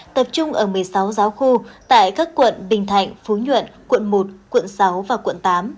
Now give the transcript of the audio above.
tập trung ở một mươi sáu giáo khu tại các quận bình thạnh phú nhuận quận một quận sáu và quận tám